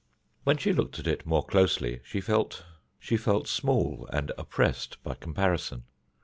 When she looked at it more closely she felt small and oppressed by comparison.